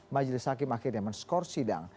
majelis hakim akhirnya men skor sidang